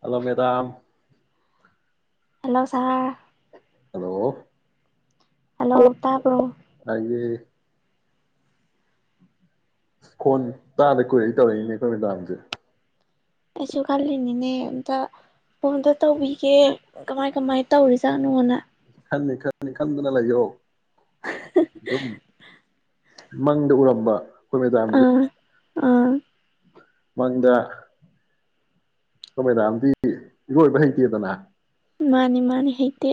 hello madam hello sir hello hello ꯇꯥꯕ꯭ꯔꯣ ꯑꯩꯁꯦ ꯈꯣꯟ ꯇꯥꯗ ꯀꯨꯏꯔꯛꯏ ꯇꯧꯔꯛꯏꯅꯦ ꯑꯩꯈꯣꯏ ꯃꯦꯗꯥꯝꯁꯦ ꯑꯩꯁꯨ ꯈꯜꯂꯤꯅꯤꯅꯦ ꯑꯝꯇ ꯐꯣꯟꯗ ꯇꯧꯕꯤꯒꯦ ꯀꯃꯥꯏ ꯀꯃꯥꯏ ꯇꯧꯔꯤꯖꯥꯠꯅꯣꯅ ꯈꯟꯅꯤ ꯈꯟꯅꯤ ꯈꯟꯗꯅ ꯂꯩꯌꯦꯣ ꯑꯗꯨꯗꯝ ꯃꯪꯗ ꯎꯔꯝꯕ ꯈꯃꯤ ꯇ ꯑꯥ ꯑꯥ ꯃꯪꯗ ꯑꯩꯣꯏ ꯃꯦꯗꯥꯝꯗꯤ ꯏꯔꯣꯏꯕ ꯍꯩꯇꯦꯗꯅ ꯃꯥꯅꯤ ꯃꯥꯅꯤ ꯍꯩꯛꯇ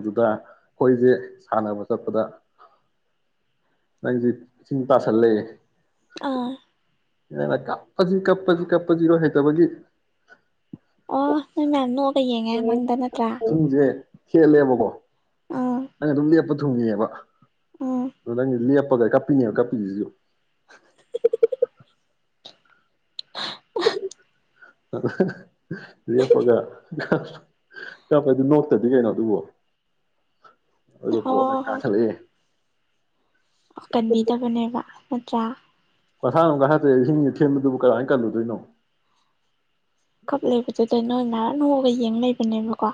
ꯑꯗꯨꯗ ꯑꯩꯈꯣꯏꯁꯦ ꯁꯥꯟꯅꯕ ꯆꯠꯄꯗ ꯅꯪꯁ ꯏꯁꯤꯡ ꯇꯥꯁꯜꯂꯛꯦ ꯑꯥ ꯌꯥꯅ ꯀꯞꯄꯁꯤ ꯀꯞꯄꯁꯤ ꯀꯞꯄꯖꯤ ꯏꯔꯣ ꯍ ꯇꯕꯒꯤ ꯑꯣ ꯌꯦꯡꯉꯦ ꯃꯪꯗ ꯅꯠꯇ꯭ꯔꯥ ꯍꯦꯜꯂꯦꯕꯀꯣ ꯑꯥ ꯑ ꯔ ꯊꯨꯡꯉꯦꯕ ꯎꯝ ꯅꯗꯪ ꯏ ꯀꯄꯤꯅꯤ ꯀꯞꯄꯤꯁꯤꯣ [inaudible] ꯂꯦꯞꯄꯒ ꯀꯥꯞꯄꯗꯤ ꯅꯣꯛꯇꯗꯤ ꯀꯩꯅꯣ ꯑꯗꯨꯕꯣ ꯑꯗꯨ ꯀꯣ ꯑꯣ ꯀꯟꯕꯤꯗꯕꯅꯦꯕ ꯅꯠꯇ꯭ꯔꯥ ꯀꯁꯥ ꯅꯨꯡꯒ ꯍꯇꯦ ꯍꯤꯡꯉ ꯊꯤꯟꯕꯗꯨꯕꯨ ꯀꯃꯥꯏꯅ ꯀꯜꯂꯨꯗꯣꯏꯅꯣ ꯀꯞ ꯂꯩꯕꯗꯨꯗ ꯅꯣꯏ ꯉꯍꯥꯟ ꯅꯣꯛꯑꯒ ꯌꯦꯡ ꯂꯩꯕ ꯑꯗꯨꯅꯦꯕꯀꯣ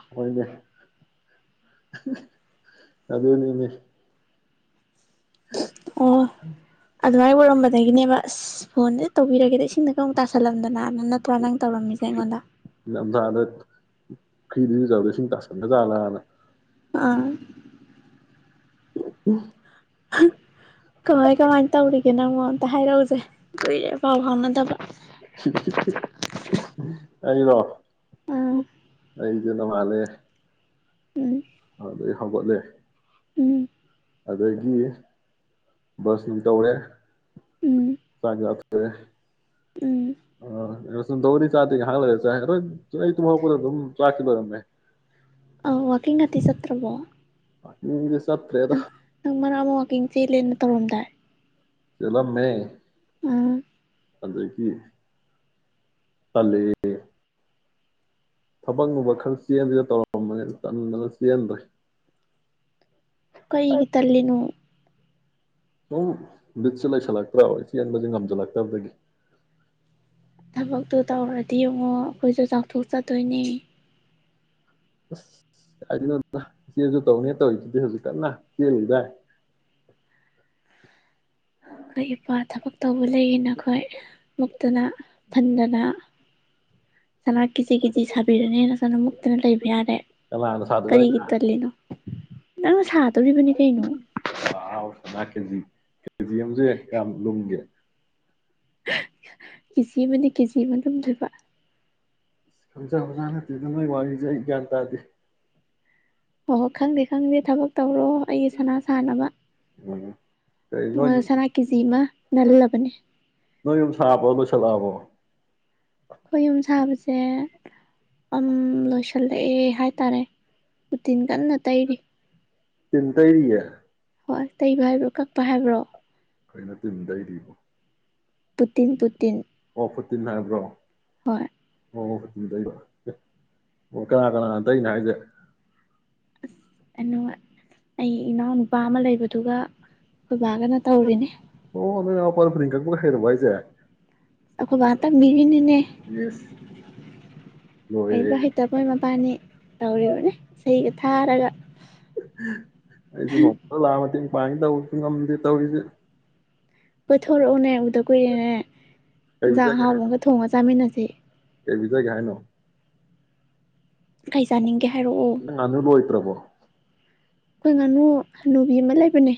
ꯑꯗꯅꯤꯅꯦ ꯑꯣ [unintelligible] ꯑꯣꯏꯔꯝꯕꯗꯒꯤꯅꯦꯕ ꯑꯁ ꯐꯣꯟꯖꯦ ꯇꯧꯕꯤꯔꯒꯦꯗ ꯏꯁꯤꯡꯗꯒ ꯑꯃꯨꯛ ꯇꯥꯁꯜꯂꯝꯗꯅ ꯅꯠꯇ꯭ꯔꯥ ꯅꯪ ꯇꯧꯔꯝꯃꯤꯖꯦ ꯑꯩꯉꯣꯟꯗ ꯐꯔ꯭ꯤ ꯗ ꯏꯔꯨꯖꯕꯗꯥ ꯏꯁꯤꯡ ꯇꯥꯁꯟꯒꯖꯥꯂꯥꯅ ꯑꯥ [unintelligible] ꯀꯃꯥꯏ ꯀꯃꯥꯏ ꯇꯧꯔꯤꯒꯦ ꯅꯪꯃꯣ ꯑꯃꯇ ꯍꯥꯏꯔꯛꯎꯖꯦ ꯀꯨꯏꯔꯦ ꯄꯥꯎ ꯐꯥꯎꯅꯗꯕ ꯑꯩꯔꯣ ꯑꯥ [unintelligible] ꯑꯩꯗꯤ ꯅꯣꯡꯉꯥꯜꯂꯦ ꯎꯝ ꯑꯗꯩ ꯍꯧꯒꯠꯂꯦ ꯎꯝ ꯑꯗꯒꯤ ꯕꯁ ꯅꯨꯡ ꯇꯧꯔꯦ ꯎꯝ ꯆꯥꯛ ꯆꯥꯊꯣꯛꯑꯦ ꯎꯝ ꯑ [unintelligible] ꯇꯧꯕꯗꯤ ꯆꯥꯗꯦ ꯉꯥꯏꯍꯥꯛ ꯂꯩꯔ ꯆꯥꯏ ꯑꯗꯣ ꯑꯩ ꯇꯨꯝꯍꯧꯔꯛꯄꯗ ꯑꯗꯨꯝ ꯆꯥꯛꯇꯤ ꯂꯣꯏꯔꯝꯃꯦ ꯑ ꯋꯥꯀꯤꯡ ꯀꯇꯤ ꯆꯠꯇꯔ꯭ꯕꯣ ꯋꯥꯀꯤꯡ ꯒꯤꯗꯥ ꯆꯠ ꯆꯠꯇ꯭ꯔꯦꯗ ꯀꯤꯡ ꯆꯦꯜꯂꯦꯅ ꯇꯧꯔꯝꯗꯥꯏ ꯆꯦꯜꯂꯝꯃꯦ ꯑꯥ ꯑꯗꯒꯤ ꯇꯜꯂꯦ ꯊꯕꯛ ꯅꯨꯡꯕꯛ ꯈꯔ ꯆꯦꯟꯖꯦꯅ ꯇꯧꯔꯝꯕꯅꯤ ꯇꯟꯗꯅ ꯆꯦꯟꯗ꯭ꯔꯦ ꯀꯔꯤꯒꯤ ꯇꯜꯂꯤꯅꯣ ꯁꯨꯝ ꯕꯤꯠꯁꯦ ꯂꯩꯁꯜꯂꯛꯇ꯭ꯔꯥꯕ ꯆꯦꯟꯕꯖꯦ ꯉꯝꯖꯜꯂꯛꯇꯕꯗꯒꯤ ꯊꯕꯛꯇꯨ ꯇꯧꯔꯗꯤ ꯌꯦꯡꯉꯣ ꯑꯈꯣꯏꯁꯨ ꯆꯥꯎꯊꯣꯛꯆꯗꯣꯏꯅꯦ ꯑꯁ ꯀꯥꯏꯗꯩꯅꯣꯗ ꯏꯆꯦꯟꯖꯨ ꯇꯧꯅꯦ ꯇꯧꯔꯤꯗꯨꯗꯤ ꯍꯧꯖꯤꯛ ꯀꯟꯅ ꯆꯦꯜꯂꯤꯗꯥꯏ ꯑꯈꯣꯏ ꯏꯄꯥ ꯊꯕꯛ ꯇꯧꯕ ꯂꯩꯑꯅ ꯑꯈꯣꯏ ꯃꯨꯛꯇꯅ ꯐꯟꯗꯅ ꯁꯅꯥ ꯀꯤꯖꯤ ꯀꯤꯖꯤ ꯁꯥꯕꯤꯔꯅꯦ ꯅ ꯁꯣꯝꯗ ꯃꯨꯛꯇꯅ ꯂꯩꯕ ꯌꯥꯔꯦ ꯀꯅꯥꯅ ꯁꯥꯗꯣꯏꯕ ꯀꯔꯤꯒꯤ ꯑꯩꯅ ꯇꯜꯂꯤꯅꯣ ꯅꯪ ꯁꯥꯠ [unintelligible] ꯖꯤꯑꯦꯝꯖꯦ ꯀꯌꯥꯝ ꯂꯨꯝꯒꯦ ꯀꯦ ꯖꯤ ꯑꯃꯅꯤ ꯀꯦꯖꯤ ꯑꯃ ꯂꯨꯝꯗꯣꯏꯕ ꯑꯁ ꯈꯪꯖꯕꯖꯥ ꯅꯠꯇꯦꯗ ꯅꯣꯏ ꯋꯥꯔꯤꯖꯦ ꯑꯩ ꯒ꯭ꯌꯥꯟ ꯇꯥꯗꯦ ꯍꯣ ꯍꯣ ꯈꯪꯗꯦ ꯈꯪꯗꯦ ꯊꯕꯛ ꯇꯧꯔꯣ ꯑꯩꯒꯤ ꯁꯅꯥ ꯁꯥꯅꯕ ꯎꯝ ꯀꯩ ꯅꯣꯏ ꯌꯨ ꯅꯉꯣꯟꯗ ꯁꯅꯥ ꯀꯦꯖꯤ ꯑꯃ ꯅꯜꯂꯕꯅꯦ ꯅꯣꯏ ꯌꯨꯝ ꯁꯥꯕ ꯂꯣꯏꯁꯜꯂꯑꯕꯣ ꯈꯣꯏ ꯌꯨꯝ ꯁꯥꯕꯖꯦ ꯑꯝ ꯂꯣꯏꯁꯜꯂꯛꯑꯦ ꯍꯥꯏ ꯇꯔꯦ ꯎꯇꯤꯟ ꯀꯟꯅ ꯇꯩꯔꯤ ꯇꯤꯟꯇꯩꯔꯤꯌꯦ ꯍꯣꯏ ꯇꯩꯕ ꯍꯥꯏꯕ꯭ꯔꯣ ꯀꯛꯄ ꯍꯥꯏꯕ꯭ꯔꯣ ꯀꯩꯅꯣ ꯇꯤꯟꯇꯩꯔꯤꯕꯣ ꯄꯨ ꯇꯤꯟ ꯄꯨꯇꯤꯟ ꯇꯤꯟ ꯍꯥꯏꯕ꯭ꯔꯣ ꯍꯣꯏ ꯑꯣ ꯑꯗꯨ ꯑꯣ ꯀꯅꯥ ꯀꯅꯥ ꯇꯩꯅꯣ ꯍꯥꯏꯁꯦ ꯑꯁꯣ ꯑꯩ ꯏꯅꯥꯎꯅꯨꯄꯥ ꯑꯃ ꯂꯩꯕꯗꯨꯒ ꯑꯩꯈꯣꯏꯕꯥꯒꯅ ꯇꯧꯔꯤꯅꯦ ꯄꯔ ꯄꯔꯤꯡꯀꯕꯨ ꯍꯩꯔꯔꯕ ꯍꯥꯏꯁꯦ ꯑꯈꯣꯣꯏ ꯑꯇꯥꯛ ꯕꯤꯔꯅꯤ ꯅꯦ ꯏꯁ ꯂꯣꯏꯔꯦꯍꯦ ꯍꯥꯏꯔꯤꯕ ꯍꯥꯏ ꯇꯄꯣ ꯏꯃ ꯄꯥꯅꯤ ꯇꯧꯔꯤ ꯃꯅꯦ ꯑꯩꯒ ꯊꯥꯔꯒ ꯃꯄ ꯂꯥꯃꯇ ꯄ ꯇꯧꯁꯨ ꯉꯝꯗ ꯇꯧꯔꯤꯁꯤ ꯄꯨꯊꯣꯔꯛꯑꯣꯅꯦ ꯎꯗ ꯀꯨꯏꯔꯦꯅꯦ ꯀꯩ ꯌꯦꯟꯖꯥꯛ ꯑꯍꯥꯎ ꯑꯃꯒ ꯊꯣꯡꯉꯒ ꯆꯥꯃꯤꯟꯅꯁꯦ ꯑꯦꯕꯤꯗ ꯈꯥꯏꯅ ꯀꯩ ꯆꯥꯅꯤꯡꯒꯦ ꯍꯥꯏꯔꯛꯑꯣ ꯄ꯭ꯔꯕꯣ ꯀꯈꯣꯏ ꯉꯅꯨ ꯃꯤ ꯑꯃ ꯂꯩꯕꯅꯦ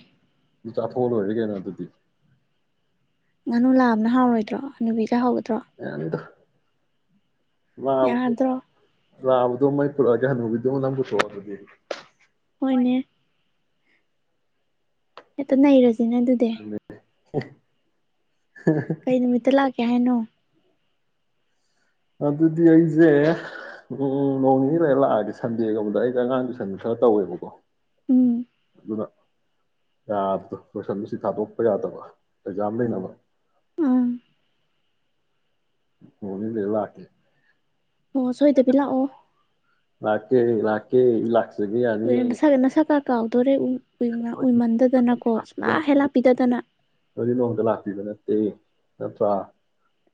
ꯆꯥꯊꯣꯛꯑ ꯂꯣꯏꯔꯒꯦꯅ ꯑꯗꯨꯗꯤ ꯉꯪꯅꯨ ꯂꯥꯕꯅ ꯍꯥꯎꯔꯣꯏꯣ ꯅꯠꯇ꯭ꯔꯣ ꯅꯨꯕꯤꯗ ꯍꯧꯒꯗ꯭ꯔꯣ ꯋꯥ ꯌꯥꯗ꯭ꯔꯣ ꯂꯥꯛꯑꯗꯣ ꯃꯥꯏ ꯄꯨꯨꯔꯛꯑꯒ ꯅꯨꯕꯤꯗꯨ ꯅꯪ ꯄꯨꯊꯣꯑ ꯑꯗꯨꯗꯤ ꯍꯣꯏꯅꯦ ꯍꯣ ꯅꯔꯖ ꯁꯤꯅ ꯑꯗꯨꯗꯤ [unintelligible] ꯀꯩ ꯅꯨꯃꯤꯠꯇ ꯂꯥꯛ ꯌꯥꯍꯅꯣ ꯑꯗꯨꯗꯤ ꯑꯩꯁꯦ ꯎꯝ ꯅꯣꯡ ꯅꯤꯅꯤꯗ ꯂꯥꯛꯑꯒꯦ ꯁꯟꯗꯦꯒꯨꯝꯕꯗ ꯑꯩꯗ ꯑꯉꯥꯡ ꯇꯨꯏꯁꯟꯗ ꯈꯔ ꯇꯧꯋꯦꯕꯀꯣ ꯎꯝ ꯑꯗꯨꯅ ꯌꯥꯕꯗꯣ ꯂꯣꯏꯁꯟꯁꯤ ꯊꯥꯗꯣꯛꯄ ꯌꯥꯗꯕ ꯑꯦꯛꯖꯥꯝ ꯂꯩꯅꯕ ꯑꯥ ꯍꯅꯤ ꯂꯩ ꯂ ꯍꯥꯇꯦ ꯑꯣ ꯁꯣꯏꯗꯕꯤ ꯂꯥꯛꯑꯣ ꯦ ꯏꯀꯦ ꯏ ꯂꯥꯛ ꯎꯔꯦ ꯅꯁꯥ ꯅꯁꯥ ꯀꯥ ꯀꯥꯎꯗꯣꯔꯦ ꯎ ꯎꯏꯃꯟꯗꯗꯅꯀꯣ ꯁꯨꯃ ꯍꯦꯂꯥꯛꯄꯤꯗꯗꯅ ꯑꯄ꯭ꯔꯥ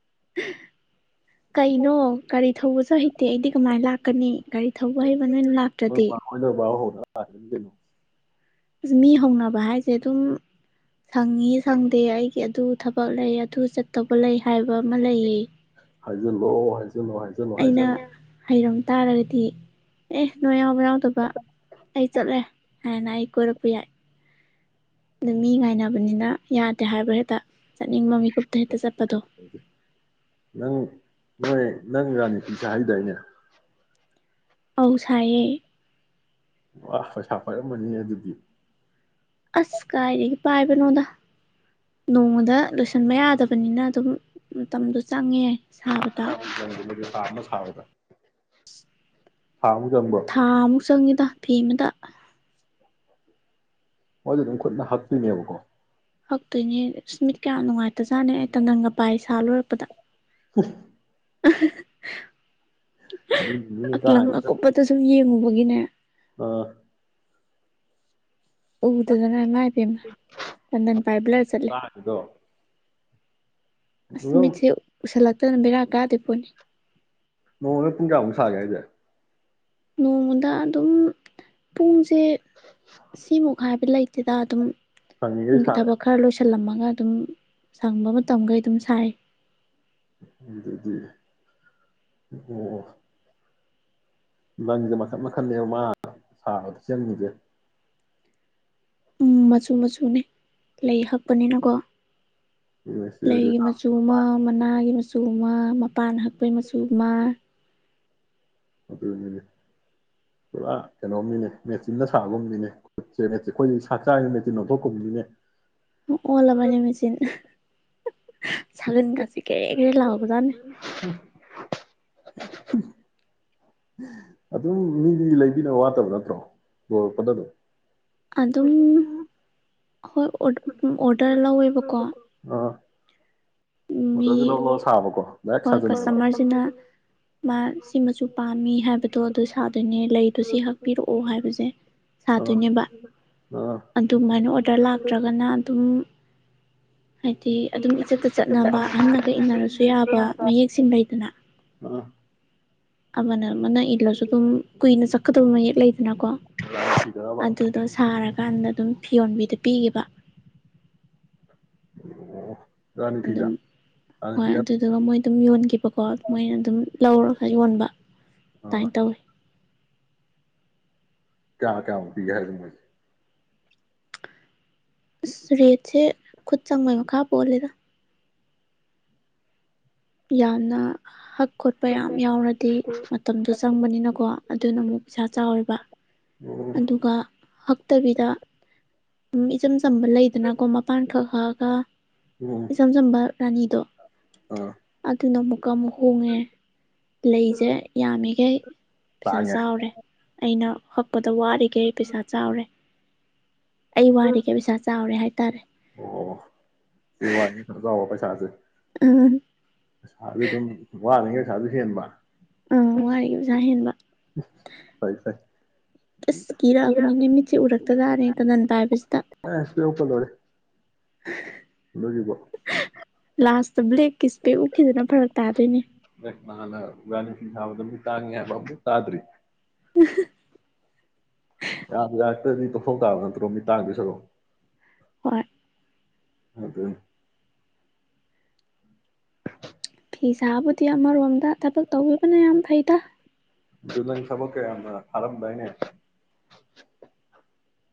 [unintelligible] ꯀꯩꯅꯣ ꯒꯥꯔꯤ ꯊꯧꯕꯁꯨ ꯍꯩꯇꯦ ꯑꯩꯗꯤ ꯀꯃꯥꯏꯅ ꯂꯥꯛꯀꯅꯤ ꯒꯥꯔꯤ ꯊꯧꯕ ꯍꯩꯕ ꯅꯣꯏꯅ ꯂꯥꯛꯇ꯭ꯔꯗꯤ ꯗꯅꯣ ꯃꯤ ꯍꯧꯅꯕ ꯍꯥꯏꯁꯦ ꯑꯗꯨꯝ ꯁꯪꯉꯤ ꯁꯪꯗꯦ ꯑꯩꯒꯤ ꯑꯗꯨ ꯊꯕꯛ ꯂꯩ ꯑꯗꯨ ꯆꯠꯇꯕ ꯂꯩ ꯍꯥꯏꯕ ꯑꯃ ꯂꯩꯌꯦ ꯍꯥꯏꯖꯤ ꯂꯣ ꯍꯥꯏ ꯅꯨꯡꯉ ꯍꯥꯏꯖ ꯅꯨꯡꯉ ꯑꯩꯅ ꯍꯥꯏꯖ ꯍꯩꯔꯝ ꯇꯥꯔꯒꯗꯤ ꯑꯦ ꯅꯣꯏ ꯌꯥꯎꯕ ꯌꯥꯎꯗꯕ ꯑꯩ ꯆꯠꯂꯦ ꯍꯥꯏꯅ ꯑꯩ ꯀꯣꯏꯔꯛꯄ ꯌꯥꯏ ꯑꯗ ꯃꯤ ꯉꯥꯏꯅꯕꯅꯤꯅ ꯌꯥꯗꯦ ꯍꯥꯏꯕ ꯍꯦꯛꯇ ꯆꯠꯅꯤꯡꯕ ꯃꯤꯀꯨꯞꯇ ꯍꯦꯛꯇ ꯆꯠꯄꯗꯣ ꯅꯪ ꯅꯣꯏ ꯅꯪ ꯔꯥꯅꯤꯄꯤꯤꯤꯁꯦ ꯍꯥꯏꯗꯏꯅꯦ ꯑꯧ ꯁꯥꯏꯌꯦ ꯋꯥ ꯄꯩꯁꯥ ꯄꯥꯏꯔꯝꯃꯅꯤ ꯑꯗꯨꯗꯤ ꯑꯁ ꯀꯥꯏꯗꯒꯤ ꯄꯥꯏꯕꯅꯣꯗ ꯅꯣꯡꯃꯗ ꯂꯣꯏꯁꯟꯕ ꯌꯥꯗꯕꯅꯤꯅ ꯑꯗꯨꯝ ꯃꯇꯝꯗꯣ ꯆꯪꯉꯦ ꯁꯥꯕꯗ ꯐꯥꯃꯁ ꯍꯥꯏꯗ ꯊꯥ ꯑꯃꯨꯛ ꯆꯪꯉꯤꯗ ꯐꯤ ꯑꯃꯗ [unintelligible] ꯃꯣꯏꯁꯨ ꯑꯗꯨꯝ ꯈꯨꯠꯅ ꯍꯛꯇꯣꯏꯅꯦꯕꯀꯣ ꯍꯛꯇꯣꯏꯅꯦ ꯏꯁꯃꯤꯠ ꯀꯌꯥ ꯅꯨꯡꯉꯥꯏꯇꯖꯥꯠꯅꯤ ꯑꯩ ꯇꯟꯗꯪꯒ ꯄꯥꯏ ꯁꯥ ꯂꯣꯏꯔꯛꯄꯗ ꯍ ꯑꯂꯪ ꯑꯀꯨꯞꯄꯗꯁꯨ ꯌꯦꯡꯉꯨꯕ ꯏꯗꯒꯤꯅꯦ ꯑꯥ ꯎꯗꯨꯗꯅꯃꯥꯏ ꯄꯦꯝ ꯇꯟꯗꯟ ꯄꯥꯏꯕꯂ ꯆꯠꯂꯦ ꯇꯥꯡꯉꯤꯗꯣ ꯑꯗꯨꯝ ꯑꯁꯃꯤꯁꯦ ꯎꯁꯥꯂ ꯐꯅ ꯕꯤꯔꯥ ꯀꯥꯗꯦ ꯄꯣꯅꯤ ꯅꯣꯡꯃꯒ ꯄꯨꯡ ꯀꯌꯥꯃꯨꯛ ꯁꯥꯒꯦ ꯍꯥꯏꯖꯦ ꯅꯣꯡꯃꯗ ꯑꯗꯨꯝ ꯄꯨꯡꯁꯦ ꯁ ꯁꯤꯃ ꯈꯥꯏꯕ ꯂꯩꯇꯦꯗ ꯑꯗꯨꯝ ꯁꯪꯉꯤꯒꯩ ꯌꯨꯡꯒꯤ ꯁꯥꯔꯦ ꯊꯕꯛ ꯈꯔ ꯂꯣꯏꯁꯤꯜꯂꯝꯃꯒ ꯑꯗꯨꯝ ꯁꯪꯕ ꯃꯇꯝꯈꯩ ꯑꯗꯨꯝ ꯁꯥꯏ ꯎꯗꯤ ꯑꯣ ꯅꯪꯁꯦ ꯃꯈꯟ ꯃꯈꯜꯅꯦ ꯃꯥ ꯁꯥꯕꯗ ꯁꯦꯝꯉꯁꯦ ꯎꯝ ꯃꯆꯨ ꯃꯆꯨꯅꯤ ꯂꯩ ꯍꯛꯄꯅꯤꯅꯀꯣ ꯑꯗꯨꯅꯦ ꯆꯦ ꯍꯣꯏꯗ ꯂꯩꯒꯤ ꯃꯆꯨ ꯑꯃ ꯃꯅꯥꯒꯤ ꯃꯆ ꯆꯣꯡꯃꯉꯥ ꯄꯥꯟ ꯍꯛꯄꯩ ꯃꯆꯨ ꯑꯃ ꯑꯗꯨꯅꯤꯅꯦ ꯄꯨꯔꯥ ꯀꯩꯅꯣꯝꯅꯤꯅꯦ ꯃꯦꯆꯤꯟꯅ ꯁꯥꯒꯨꯝꯅꯤꯅꯦꯁ ꯑꯩꯈꯣꯏꯗꯤ ꯆꯥꯛ ꯆꯥꯕ ꯃꯦꯆꯤꯟ ꯂꯧꯊꯣꯛꯀꯨꯝꯅꯤꯅꯦ ꯑꯣꯂꯕꯅꯤ ꯃꯦꯆꯤꯟ ꯆꯂꯤꯟ ꯀꯁꯤ ꯀꯦꯔ ꯀꯦꯔ ꯂꯥꯎꯕꯖꯦ ꯑꯗꯨꯝ ꯃꯤꯗꯤ ꯂꯩꯕꯤꯗꯅꯕ ꯋꯥꯠꯇꯕ ꯅꯠꯇ꯭ꯔꯣ ꯌꯔꯛꯄꯗ ꯑꯗꯨꯝ ꯄꯨ ꯑꯗꯨꯝ ꯍꯣꯏ ꯑꯣꯔꯗꯔ ꯂꯧꯋꯦꯕꯀꯣ ꯃꯗ ꯃꯤ ꯑꯗꯨ ꯂꯧ ꯂ ꯁꯥꯕꯀꯣ ꯗꯥꯏꯔꯦꯛ ꯍꯣꯏ ꯁꯥꯖꯟꯅꯕ ꯀꯁꯇꯃꯔꯁꯤꯅ ꯃꯥ ꯁꯤ ꯃꯆꯨ ꯄꯥꯝꯃꯤ ꯍꯥꯏꯕꯗꯣ ꯑꯗꯨ ꯁꯥꯗꯣꯏꯅꯦ ꯂꯩꯗꯣ ꯁꯤ ꯍꯛꯄꯤꯔꯛꯑꯣ ꯍꯥꯏꯕꯁꯦ ꯑꯥ ꯁꯥꯗꯣꯏꯅꯦꯕ ꯑꯥ ꯑꯗꯨꯃꯥꯏꯅ ꯑꯣꯔꯗꯔ ꯂꯥꯛꯇ꯭ꯔꯒꯅ ꯑꯗꯨꯝ ꯍꯥꯏꯗꯤ ꯑꯗꯨꯝ ꯏꯆꯠꯇ ꯆꯠꯅꯕ ꯑꯍꯟꯅꯒ ꯏꯟꯅꯔꯁꯨ ꯌꯥꯕ ꯃꯌꯦꯛꯁꯤꯡ ꯂꯩꯗꯅ ꯑ ꯑꯅ ꯅ ꯏꯠꯂꯁꯨ ꯑꯗꯨꯝ ꯀꯨꯏꯅ ꯀ ꯑꯗꯨꯩ ꯂꯩꯇ ꯑꯗꯨꯅꯀꯣ ꯔꯥꯅꯤ ꯐꯤꯗꯔꯕ ꯑꯗꯨꯗꯣ ꯁꯥꯔꯒ ꯀꯀꯥꯟꯗ ꯑꯗꯨꯝ ꯐꯤꯌꯣꯟꯕꯤꯗ ꯄꯤꯈꯤꯕ ꯑꯣ ꯔꯥꯅꯤ ꯐꯤꯗ ꯑꯗꯨꯝ ꯔꯥꯅꯤ ꯍꯣꯏ ꯐꯤꯗ ꯑꯗꯨꯗꯨꯒ ꯃꯣꯏ ꯑꯗꯨꯝ ꯌꯣꯟꯈꯤꯕꯀꯣ ꯃꯣꯏꯅ ꯑꯗꯨꯝ ꯂꯧꯔꯒ ꯌꯣꯟꯕ ꯑꯥ ꯇꯥꯏꯅ ꯇꯧꯋꯤ ꯀꯌꯥ ꯀꯌꯥ ꯎ ꯄꯤ ꯍꯥꯏ ꯃꯁ ꯎ ꯔꯦꯠꯁꯦ ꯈꯨꯠ ꯆꯪꯕꯩ ꯃꯈꯥꯞ ꯐꯣꯂꯦꯗ ꯌꯥꯝꯅ ꯍꯛ ꯈꯣꯠꯄ ꯌꯥꯝ ꯌꯥꯎꯔꯗꯤ ꯃꯇꯝꯗꯣ ꯆꯪꯕꯅꯤꯅꯀꯣ ꯑꯗꯨꯅ ꯑꯃꯨꯛ ꯄꯩꯁꯥ ꯆꯥꯎꯋꯦꯕ ꯑꯣ ꯑꯗꯨꯒ ꯍꯛꯇꯕꯤꯗ ꯎꯝꯆ ꯆꯝꯕ ꯂꯩꯗꯅꯀꯣ ꯃꯄꯥꯟ ꯈꯛ ꯈꯛꯑꯒ ꯎꯝ ꯏꯆꯝ ꯆꯝꯕ ꯔꯥꯅꯤꯗꯣ ꯑꯥ [unintelligible] ꯀꯝ ꯍꯣꯡꯉꯦ ꯂꯩꯁꯦ ꯌꯥꯝꯃꯤꯈꯩ ꯄꯩꯁꯥ ꯇꯥꯡꯉꯦ ꯆꯥꯎꯔꯦ ꯑꯩꯅ ꯄꯗ ꯋꯥꯔꯤꯒꯦ ꯑꯩ ꯄꯩꯁꯥ ꯆꯥꯎꯔꯦ ꯋꯥꯔꯤꯈꯩ ꯍꯥꯏꯇꯥꯔꯦ ꯑꯣ ꯁꯤ ꯋꯥ ꯆꯥꯎꯕ ꯄꯩꯁꯥꯁꯦ ꯎꯃ ꯑꯁꯥꯁꯨ ꯑꯗꯨꯝ ꯋꯥꯅꯤꯉ ꯑꯗꯨ ꯍꯕ ꯑꯥ ꯋꯥꯔꯤꯒꯤ ꯑꯣꯖꯥ ꯍꯦꯟꯕ ꯐꯩ ꯐꯩ ꯀꯁ ꯀꯤꯔꯛꯑꯕꯅꯤꯅꯦ ꯃꯤꯠꯁꯦ ꯎꯔꯛꯇꯗꯥꯥꯅꯦ ꯇꯅꯟ ꯄꯥꯏꯕꯁꯤꯗ ꯂꯗꯣꯖꯤꯕꯣ ꯂꯥꯁꯇ ꯕ꯭ꯂꯦꯛꯀꯤ ꯄꯦꯛ ꯎꯞꯈꯤꯗꯅ ꯐꯔꯛ ꯇꯥꯗꯣꯏꯅꯦ ꯅꯂ ꯎꯅꯤ ꯆꯥꯕꯗ ꯇꯥꯉꯤ ꯍꯥꯏꯕ ꯇꯥꯗ꯭ꯔꯤ ꯎ ꯌꯥ ꯌꯥꯔꯛꯇ꯭ꯔꯗꯤ ꯇꯣꯐꯣꯛ ꯇꯥꯕ ꯅꯠꯇ꯭ꯔꯣ ꯃꯤ ꯇꯥꯡꯗ ꯁꯔꯣ ꯍꯣꯏꯣꯏ ꯑꯗꯨ ꯐꯤꯁꯥꯕꯨꯗꯤ ꯑꯃꯔꯣꯝꯗ ꯊꯕꯛ ꯇꯧꯕꯤꯕꯅ ꯌꯥꯝ ꯐꯩꯗ ꯗ ꯁꯕ ꯀꯦ ꯈꯔꯞ ꯏꯅꯦ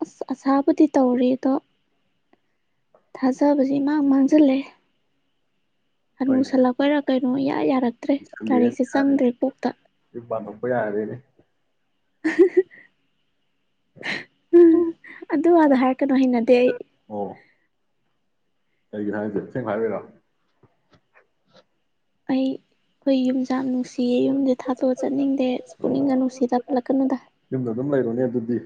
ꯑꯁ ꯑꯁꯥꯕꯨꯗꯤ ꯇꯧꯔꯤꯦ ꯑꯗꯣ ꯊꯥꯖꯕꯁꯤꯦꯃꯥꯡ ꯃꯥꯡꯁꯤꯜꯂꯦ ꯍꯣꯏꯅꯦ ꯍꯃꯨꯁꯜꯂꯛꯄꯔꯥ ꯀꯩꯅꯣ ꯏꯌꯥ ꯌꯥꯔꯛꯇ꯭ꯔꯦ ꯂꯣꯏꯁꯤꯜꯂꯦꯅ ꯂꯥꯏꯔꯤꯛꯁꯦ ꯆꯪꯗ꯭ꯔꯦ ꯀꯣꯛꯇ ꯑꯩ ꯌꯥꯗꯦꯅꯦ [unintelligible] ꯎꯝ ꯑꯗꯨ ꯑꯗ ꯍꯥꯏꯔꯛꯀꯅꯨ ꯍꯩꯅꯗꯤ ꯑꯩ ꯀꯒꯤ ꯁꯥꯡ ꯆ ꯊꯦꯡ ꯍꯥꯏꯥꯏꯔꯔ ꯑꯩ ꯑꯩꯈꯣꯏ ꯌꯨꯝꯆꯥꯛ ꯅꯨꯡꯁꯤ ꯁꯤ ꯌꯨꯝꯁ ꯊꯥꯗꯣꯛꯑ ꯆꯠꯅꯤꯡꯗꯦ ꯑ ꯄꯨꯛꯅꯤꯡ ꯑꯣ ꯉꯥꯅꯨꯁꯤꯗ ꯄꯠꯂꯛꯀꯅꯨꯗ ꯌꯨꯝꯗ ꯑꯗꯨꯝ ꯂꯩꯔꯣꯅꯦ ꯑꯗꯨꯗꯤ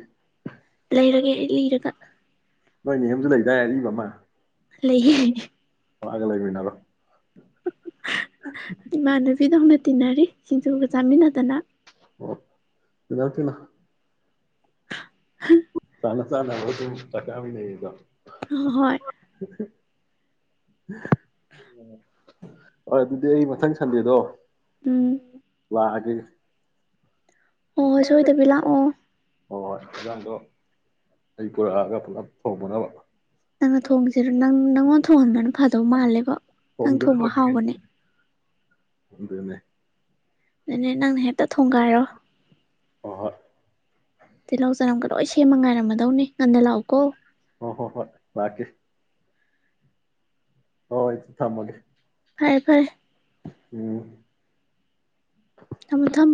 ꯅꯣꯏꯅꯦ ꯑꯦꯝꯁꯨ ꯂꯩꯗꯥꯏ ꯑꯔꯤꯕ ꯑꯃ ꯂꯩꯌꯦ ꯑꯒ ꯂꯩꯕ ꯅꯕꯣ ꯏꯃꯕꯤꯗ ꯍꯅ ꯇꯤꯟꯅꯔꯤ ꯁꯤꯡꯖꯨꯒ ꯆꯥꯃꯤꯟꯅꯗꯅ ꯑꯣ ꯏꯇꯅ [unintelligible] ꯃꯅꯁ ꯅꯣꯏꯗꯨ ꯇꯊꯥꯃꯤ ꯂꯩ ꯏꯗ ꯍꯣꯏ ꯍ ꯑꯗꯨꯗꯤ ꯑꯩ ꯃꯊꯪ ꯁꯟꯗꯦꯗꯣ ꯎꯝ ꯋꯥ ꯎ ꯑꯣ ꯁꯣꯏꯗꯕꯤ ꯂꯥꯛꯑꯣ ꯍꯣꯏ ꯍꯣꯏ ꯍꯖꯥꯡꯗꯣ ꯑꯩ ꯄꯨꯔꯛꯑꯒ ꯄꯨꯂꯞ ꯊꯣꯡꯅꯅꯕ ꯅꯪꯅ ꯊꯣꯡꯁꯤꯔ ꯅꯪ ꯅꯪꯉꯣꯟꯗ ꯊꯣꯡꯍꯟꯕꯅ ꯐꯗꯧ ꯃꯥꯜꯂꯦꯕ ꯅꯪ ꯊꯣꯡꯕ ꯍꯥꯎꯕꯅꯦ ꯑꯗꯅꯦ ꯑꯗꯨꯅꯦ ꯅꯪꯅ ꯍꯦꯛꯇ ꯊꯣꯡꯒꯥꯏꯔꯣ ꯔ ꯇꯅꯣꯁꯅ ꯂꯣꯏ ꯁꯦꯝꯃ ꯉꯥꯏꯔꯝꯃꯗꯧꯅꯦ ꯉꯟꯗ ꯂꯥꯛꯎꯀꯣ ꯍ ꯍꯣ ꯍꯣꯏ ꯀꯤꯦ ꯍꯣꯏ ꯊꯃꯒꯦ ꯐꯔꯦ ꯐꯔꯦ ꯎꯝ ꯃ ꯊꯪ